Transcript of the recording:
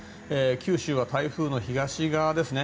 九州は台風の東側ですね